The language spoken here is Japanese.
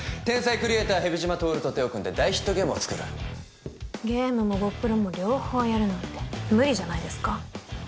クリエイター蛇島透と手を組んで大ヒットゲームを作るゲームもゴップロも両方やるなんて無理じゃないですか？